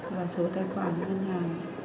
và số tài khoản ngân hàng